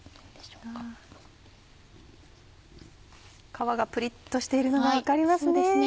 皮がプリっとしているのが分かりますね。